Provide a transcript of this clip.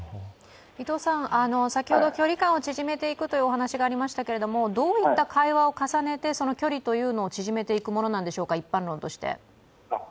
先ほど距離感を縮めていくというお話がありましたが、どういった会話を重ねて、その距離を縮めていくものなんでしょうか、一般論として。